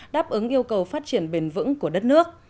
đáp ứng yêu cầu phát triển bền vững của đất nước